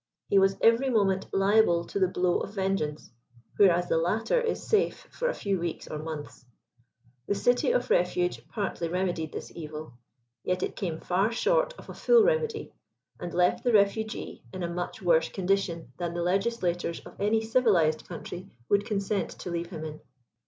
He was every moment liable to the blowof vengeance, whereas the latter is safe for a few weeks or months. The city of refuge partly remedied this evil. Yet it came far short of a full remedy, and left the refugee in a much worse condition than the legislators of any civilized country would consent to leave him in.